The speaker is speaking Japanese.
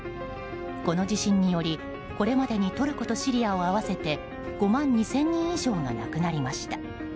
この地震によりこれまでトルコとシリア合わせて５万２０００人以上が亡くなりました。